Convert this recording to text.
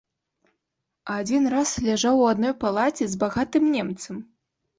А адзін раз ляжаў у адной палаце з багатым немцам.